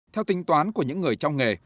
theo tính toán của những người trong nghề